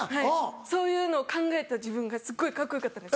そういうのを考えた自分がすっごいカッコよかったです。